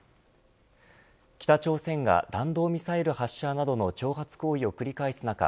北朝鮮が弾道ミサイル発射などの挑発行為を繰り返す中